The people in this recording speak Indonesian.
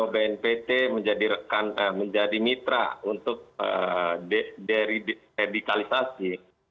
bnpt menjadi mitra untuk deredikalisasi